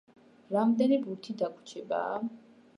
რამდენი ბურთი დაგვრჩება?